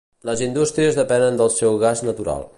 Les indústries depenen del seu gas natural.